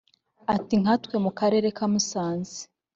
Ati“ Nka twe mu karere ka Musanze